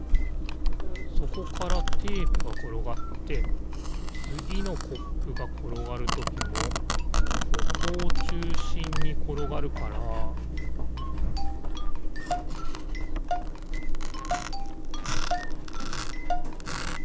そこからテープがころがってつぎのコップがころがるときもここをちゅうしんにころがるからピッ！